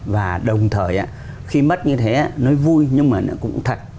và đồng thời khi mất như thế nó vui nhưng mà nó cũng thật